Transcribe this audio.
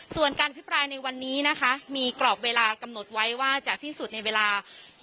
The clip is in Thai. ส่วนการพิปรายในวันนี้นะคะมีกรอบเวลากำหนดไว้ว่าจะสิ้นสุดในเวลา